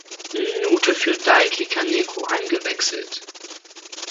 Minute für Daiki Kaneko eingewechselt.